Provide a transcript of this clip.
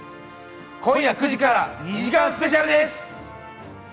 今夜９時から２時間スペシャルです。